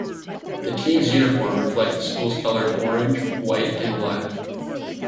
The teams' uniforms reflect the school colors of orange, white, and black.